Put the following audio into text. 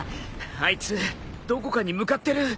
あいつどこかに向かってる。